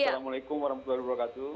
assalamualaikum warahmatullahi wabarakatuh